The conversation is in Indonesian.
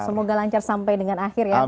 semoga lancar sampai dengan akhir ya pak kiai